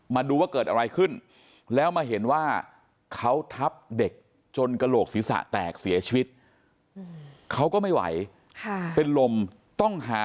มาดูว่าเกิดอะไรขึ้นแล้วมาเห็นว่าเขาทับเด็กจนกระโหลกศีรษะแตกเสียชีวิต